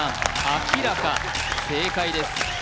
あきらか正解です